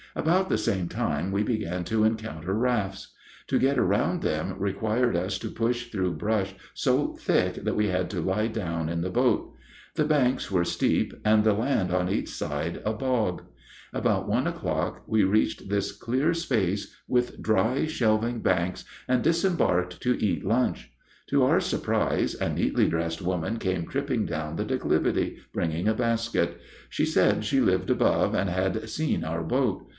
About the same time we began to encounter rafts. To get around them required us to push through brush so thick that we had to lie down in the boat. The banks were steep and the land on each side a bog. About one o'clock we reached this clear space with dry shelving banks, and disembarked to eat lunch. To our surprise a neatly dressed woman came tripping down the declivity, bringing a basket. She said she lived above and had seen our boat.